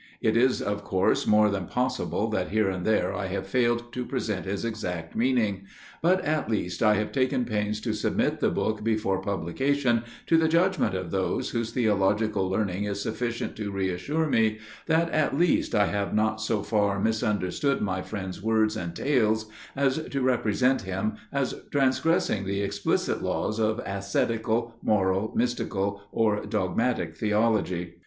It is of course more than possible that here and there I have failed to present his exact meaning; but at least I have taken pains to submit the book before publication to the judgment of those whose theological learning is sufficient to reassure me that at least I have not so far misunderstood my friend's words and tales, as to represent him as transgressing the explicit laws of ascetical, moral, mystical, or dogmatic theology.